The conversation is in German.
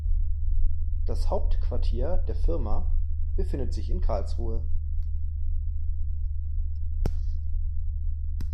Das Hauptquartier der Firma befindet sich in Karlsruhe